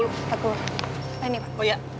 oh ini mbak